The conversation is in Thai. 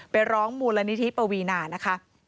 ไปร้องมูลนิธิปวีนานะคะ